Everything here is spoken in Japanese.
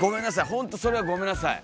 ほんとそれはごめんなさい。